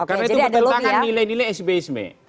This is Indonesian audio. karena itu bertentangan nilai nilai sbiisme